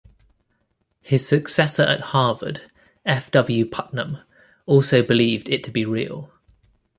His successor at Harvard, F. W. Putnam, also believed it to be real.